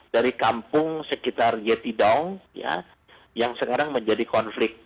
dari kampung sekitar yetidong yang sekarang menjadi konflik